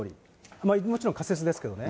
もちろん仮説ですけどね。